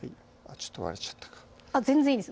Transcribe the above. ちょっと割れちゃったか全然いいです